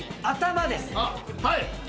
はい！